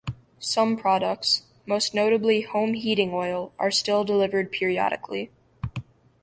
Some products, most notably home heating oil, are still delivered periodically.